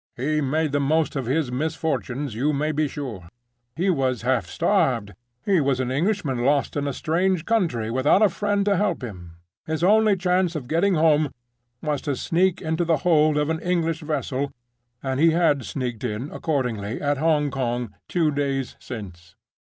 He made the most of his misfortunes, you may be sure. He was half starved; he was an Englishman lost in a strange country, without a friend to help him; his only chance of getting home was to sneak into the hold of an English vessel—and he had sneaked in, accordingly, at Hong Kong, two days since.